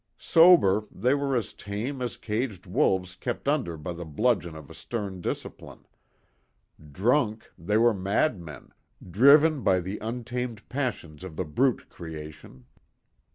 Sober, they were as tame as caged wolves kept under by the bludgeon of a stern discipline. Drunk, they were madmen, driven by the untamed passions of the brute creation.